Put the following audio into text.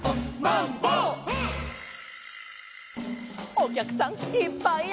「おきゃくさんいっぱいや」